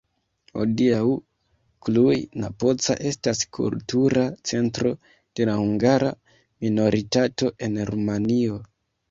Hodiaŭ Cluj-Napoca estas kultura centro de la hungara minoritato en Rumanio.